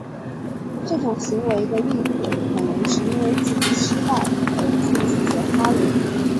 这种行为的一个例子可能是因为自己失败而去指责他人。